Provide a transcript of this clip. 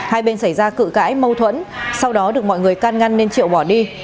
hai bên xảy ra cự cãi mâu thuẫn sau đó được mọi người can ngăn nên triệu bỏ đi